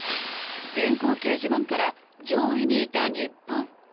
電光掲示板から上位にいた日本